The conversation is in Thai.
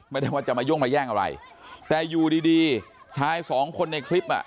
ไม่ได้ว่าจะมาย่งมาแย่งอะไรแต่อยู่ดีดีชายสองคนในคลิปอ่ะ